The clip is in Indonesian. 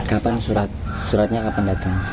kapan suratnya kapan datang